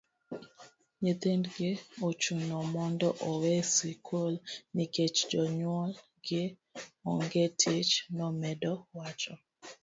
nyithindgi ochuno mondo owe sikul nikech jonyuol gi onge tich',nomedo wacho